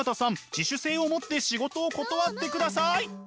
自主性を持って仕事を断ってください！